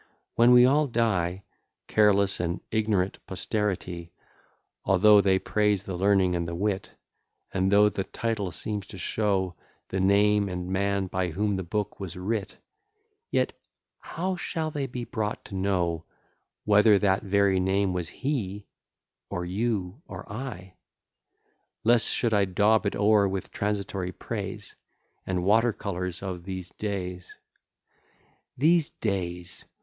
when we all die, Careless and ignorant posterity, Although they praise the learning and the wit, And though the title seems to show The name and man by whom the book was writ, Yet how shall they be brought to know, Whether that very name was he, or you, or I? Less should I daub it o'er with transitory praise, And water colours of these days: These days!